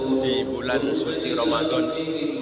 ini adalah al quran raksasa yang kita baca dengan al quran kecil